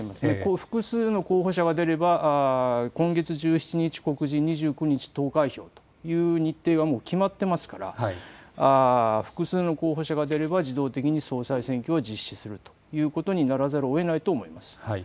複数の候補者が出れば今月１７日告示、２９日投開票という日程は決まっていますから複数の候補者が出れば自動的に総裁選挙は実施するということにならざるをえないと思います。